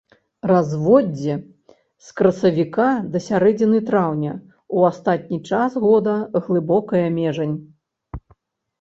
Разводдзе з красавіка да сярэдзіны траўня, у астатні час года глыбокая межань.